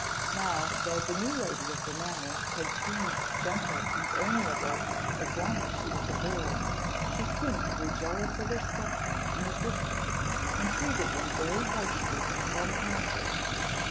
Now, though the new lady of the manor had seemed gentle and amiable as long as she was a girl, she soon grew jealous of her stepson and his sister, and treated them very harshly and unkindly.